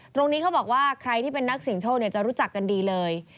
ตรงนี้เขาบอกว่าใครที่เป็นนักเสียงโชคจะรู้จักกันดีเลย